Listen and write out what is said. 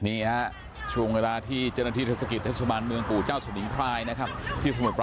นี้นะอ่ะช่วงเวลาที่เจ้าหน้าที่ธสักติจรัสมันเมืองกู่เจ้าสวนิกไพรนะครับ